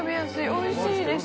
おいしいです。